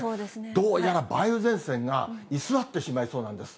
どうやら梅雨前線が居座ってしまいそうなんです。